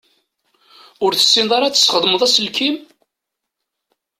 Ur tessineḍ ara ad tesxedmeḍ aselkim?